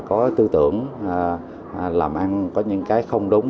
có tư tưởng làm ăn có những cái không đúng